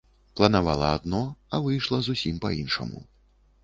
Планавала адно, а выйшла зусім па-іншаму.